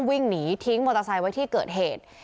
วิ่งหนีทิ้งมอเตอร์ไซค์ไว้ที่เกิดเหตุ